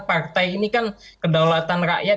partai ini kan kedaulatan rakyat